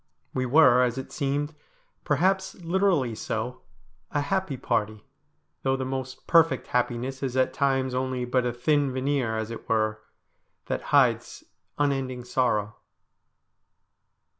We were, as it seemed, perhaps literally so, a happy party, though the most perfect happiness is at times only but a thin veneer, as it were, that hides unending sorrow.